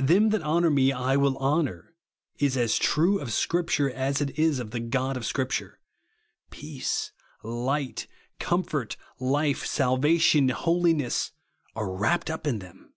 Them that honour me I will honour, is as true of Scripture as it is of the God of Scripture. Peace, Kght, comfort, life, salvation, holi ness, are wrapt up in them.